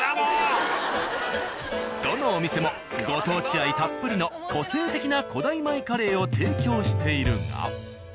どのお店もご当地愛たっぷりの個性的な古代米カレーを提供しているが。